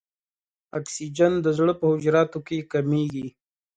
اکسیجن د زړه په حجراتو کې کمیږي.